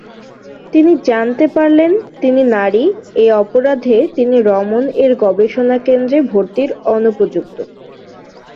তিনি জানতে পারলেন তিনি নারী, এই অপরাধে তিনি রমন এর গবেষণা কেন্দ্রে ভর্তির অনুপযুক্ত।